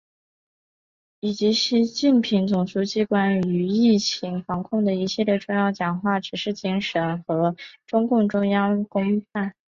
以及习近平总书记关于疫情防控的一系列重要讲话、指示精神和中共中央办公厅近日印发的《党委（党组）落实全面从严治党主体责任规定》